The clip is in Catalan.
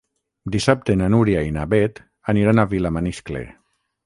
Dissabte na Núria i na Beth aniran a Vilamaniscle.